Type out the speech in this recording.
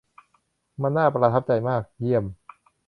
มันน่าประทับใจมาก เยี่ยม